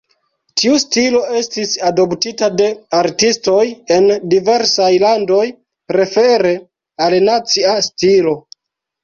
Tiu stilo estis adoptita de artistoj en diversaj landoj, prefere al "nacia" stilo.